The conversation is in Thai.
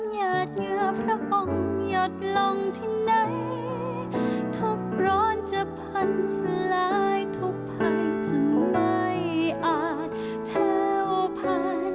หยาดเหยื่อพระองค์หยดลงที่ไหนทุกร้อนจะพันสลายทุกภัยจึงไม่อาจแถวผ่าน